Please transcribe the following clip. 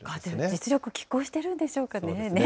実力、きっ抗しているんでしょうかね。